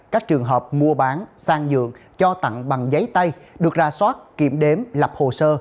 các trường hợp mua bán sang nhượng cho tặng bằng giấy tay được ra soát kiểm đếm lập hồ sơ